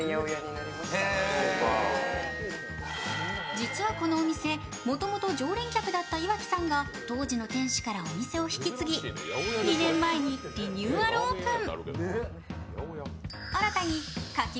実はこのお店、もともと常連客だった岩城さんが当時の店主からお店を引き継ぎ２年前にリニューアルオープン。